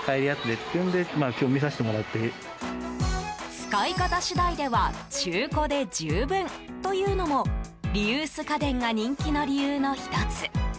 使い方次第では中古で十分というのもリユース家電が人気の理由の１つ。